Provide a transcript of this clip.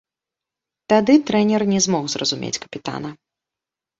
Тады трэнер не змог зразумець капітана.